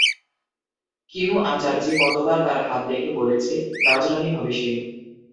কিনু আচার্যি কতবার তার হাত দেখে বলেছে, রাজরানী হবে সে।